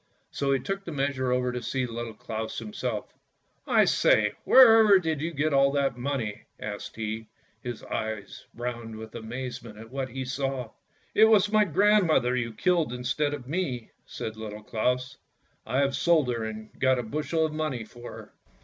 " So he took the measure over to Little Claus himself. " I say, wherever did you get all that money? " asked he, his eyes, round with amazement at what he saw. GREAT CLAUS AND LITTLE CLAUS 153 " It was my grandmother you killed instead of me! " said Little Claus. " I have sold her and got a bushel of money for her!